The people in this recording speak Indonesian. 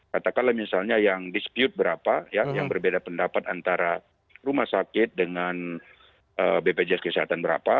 katakanlah misalnya yang dispute berapa yang berbeda pendapat antara rumah sakit dengan bpjs kesehatan berapa